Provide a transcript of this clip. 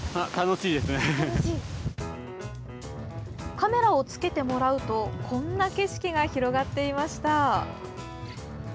カメラをつけてもらうとこんな景色が広がっていました。